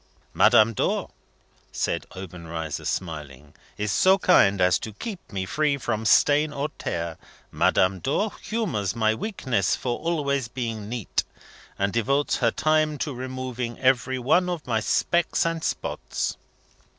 "Madame Dor," said Obenreizer, smiling, "is so kind as to keep me free from stain or tear. Madame Dor humours my weakness for being always neat, and devotes her time to removing every one of my specks and spots."